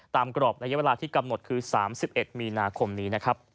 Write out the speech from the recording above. กรอบระยะเวลาที่กำหนดคือ๓๑มีนาคมนี้นะครับ